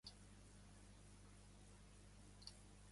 イェヴレボリ県の県都はイェーヴレである